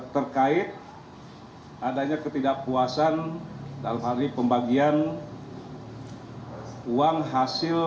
terkait adanya ketidakpuasan dalam hal ini pembagian uang hasil